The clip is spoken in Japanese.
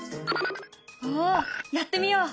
おやってみよう！